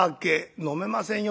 「飲めませんよ